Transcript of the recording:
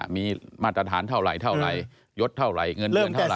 มีมาตรฐานเท่าไหร่ยดเท่าไหร่เงินเดือนเท่าไ